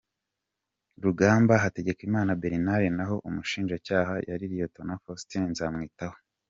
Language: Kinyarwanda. Rugamba Hategekimana Bernard naho umushinjacyaha yari Lt Faustin Nzakamwita.